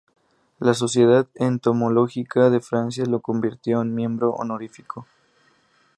La Sociedad Entomológica de Francia lo convirtió en miembro honorífico.